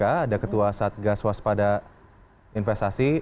ada ketua satgaswas pada investasi